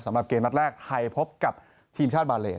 สำหรับเกมนัดแรกไทยพบกับทีมชาติบาเลน